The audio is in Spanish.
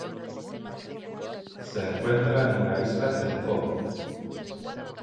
Se encuentra en la Isla Saint Paul.